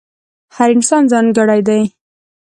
هر انسان ځانګړی دی.